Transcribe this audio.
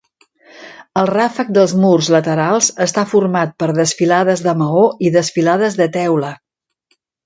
El ràfec dels murs laterals està format per desfilades de maó i desfilades de teula.